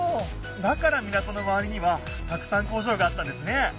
だから港のまわりにはたくさん工場があったんですね！